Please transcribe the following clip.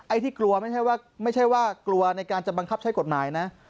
ไอ้ที่กลัวไม่ใช่ว่ากลัวในการจะบังคับใช้กฎหมายนะ